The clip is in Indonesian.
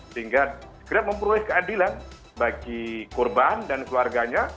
sehingga segera memperoleh keadilan bagi korban dan keluarganya